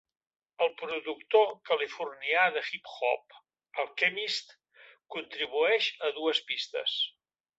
El productor californià de hip-hop, Alchemist, contribueix a dues pistes.